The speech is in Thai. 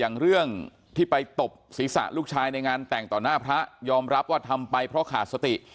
อย่างเรื่องที่ไปตบศีรษะลูกชายในงานแต่งต่อหน้าพระยอมรับว่าทำไปเพราะขาดสติ